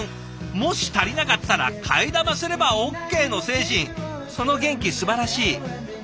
もし足りなかったら「替え玉すればＯＫ」の精神その元気すばらしい。